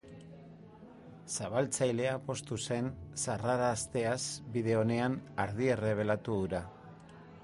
Salbatzailea poztu zen sarrarazteaz bide onean ardi errebelatu hura.